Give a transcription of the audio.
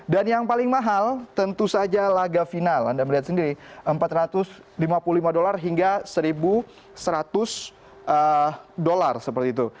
yang paling mahal tentu saja laga final anda melihat sendiri empat ratus lima puluh lima dolar hingga satu seratus dolar seperti itu